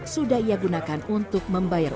sudah ia gunakan untuk membayar